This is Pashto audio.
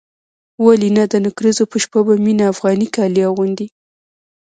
ولې نه د نکريزو په شپه به مينه افغاني کالي اغوندي.